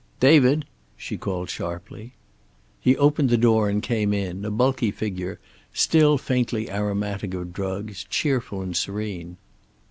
"David!" she called sharply. He opened the door and came in, a bulky figure, still faintly aromatic of drugs, cheerful and serene.